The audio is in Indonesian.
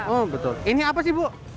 oh betul ini apa sih bu